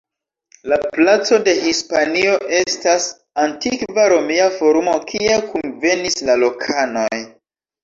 La placo de Hispanio estas antikva Romia Forumo kie kunvenis la lokanoj.